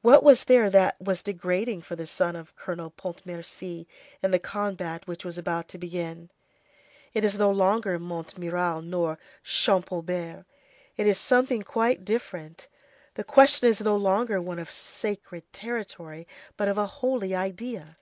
What was there that was degrading for the son of Colonel Pontmercy in the combat which was about to begin? It is no longer Montmirail nor Champaubert; it is something quite different. The question is no longer one of sacred territory,—but of a holy idea.